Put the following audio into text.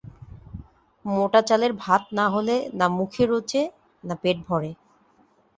মোটা চালের ভাত না হলে না মুখে রোচে, না পেট ভরে।